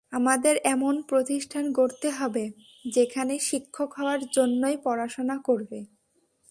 আমাদের এমন প্রতিষ্ঠান গড়তে হবে, যেখানে শিক্ষক হওয়ার জন্যই পড়াশোনা করবে।